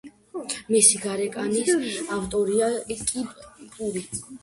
მისი გარეკანის ავტორია კიმ პური.